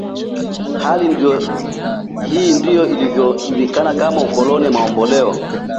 Hali hii ndiyo inayojulikana kama Ukoloni mamboleo